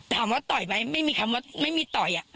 ถามว่าต่อยไหมไม่มีคำว่าไม่มีต่อยอะ